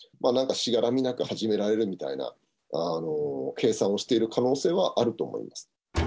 なんかしがらみなく始められるみたいな計算をしている可能性はあ